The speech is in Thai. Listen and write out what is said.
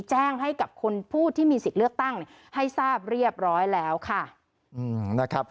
แจ้งให้กับคนผู้ที่มีสิทธิ์เลือกตั้งให้ทราบเรียบร้อยแล้วค่ะนะครับ